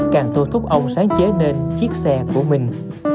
càng thôi thúc ông sáng chế nên chiếc xe của mình